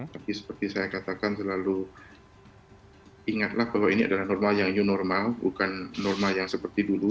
tapi seperti saya katakan selalu ingatlah bahwa ini adalah normal yang new normal bukan normal yang seperti dulu